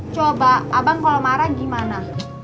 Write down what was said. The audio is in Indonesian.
coba abang kalau marah gimana